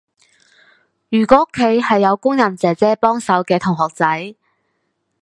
如果屋企係有工人姐姐幫手嘅同學仔